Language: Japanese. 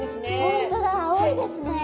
本当だ青いですね。